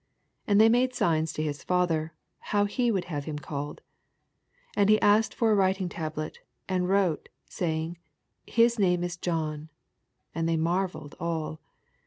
62 And they made signs to his.fk ther, how he would have him called* 68 And he asked for a writing table, and wrote, sayinff, His name is John And they marvelled all.